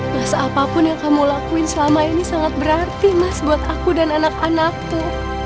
masa apapun yang kamu lakuin selama ini sangat berarti mas buat aku dan anak anakku